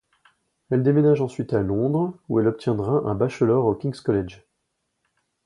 Elle déménage ensuite à Londres où elle obtiendra un bachelor au King's College.